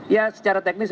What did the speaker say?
iya secara teknis